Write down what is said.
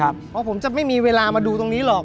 เพราะผมจะไม่มีเวลามาดูตรงนี้หรอก